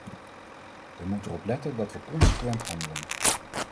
We moeten erop letten dat we consequent handelen.